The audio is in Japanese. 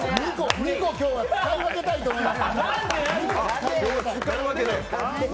２個、今日は使い分けたいと思います。